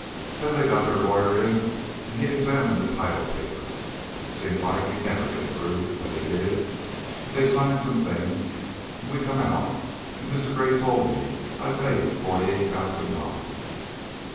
"Then they got their lawyer in an' he examined the title papers. Seemed like he'd never git through, but he did, an' they signed some things an' we come out, an' Mister Gray told me I'd made forty eight thousand dollars."